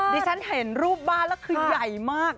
ฉันเห็นรูปบ้านแล้วคือใหญ่มาก